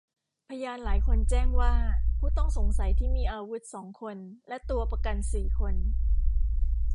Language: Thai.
พยานหลายคนแจ้งว่าผู้ต้องสงสัยที่มีอาวุธสองคนและตัวประกันสี่คน